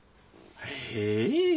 へえ。